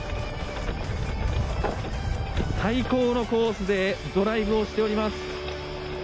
最高のコースでドライブをしております。